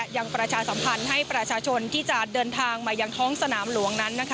ยังประชาสัมพันธ์ให้ประชาชนที่จะเดินทางมาซ้อนสนามหลวง